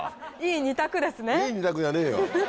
いい２択ですね。